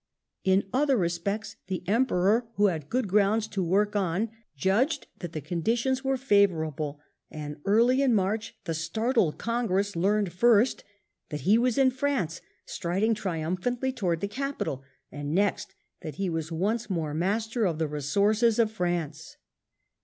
In other respects the Emperor, who had good grounds to work on, judged that the conditions were favourable, and early in March the startled Congress learned first, that he was in France striding triumphantly towards the capital, and next, that he was once more master of the resources of France.